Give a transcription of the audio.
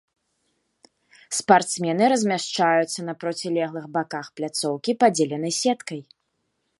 Спартсмены размяшчаюцца на процілеглых баках пляцоўкі, падзеленай сеткай.